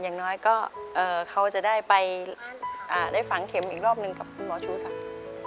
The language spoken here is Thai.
อย่างน้อยก็เขาจะได้ไปได้ฝังเข็มอีกรอบหนึ่งกับคุณหมอชูศักดิ์